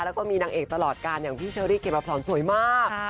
แล้วก็มีนางเอกตลอดการอย่างพี่เชอรี่เก็บอพรสวยมาก